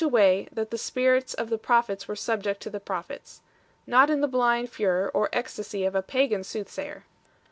Ill a way that the spirits of the prophets were subject to the prophets, not in the blind furor or ecstasy of a pagan soothsayer 1